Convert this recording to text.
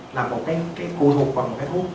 là một cái cù thuộc vào một cái thuốc